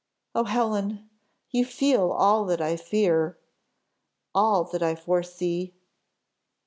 Oh, Helen! you feel all that I fear all that I foresee."